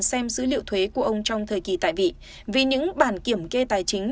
xem dữ liệu thuế của ông trong thời kỳ tại vị vì những bản kiểm kê tài chính